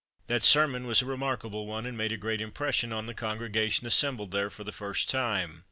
That sermon was a remarkable one, and made a great impression on the congregation assembled there for the first time.